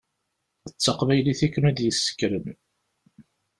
D taqbaylit i ken-id-yessekren.